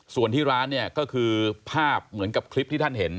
ส่วนที่ร้านเนี่ยก็คือภาพเหมือนกับคลิปที่ท่านเห็น